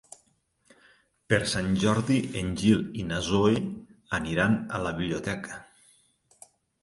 Per Sant Jordi en Gil i na Zoè iran a la biblioteca.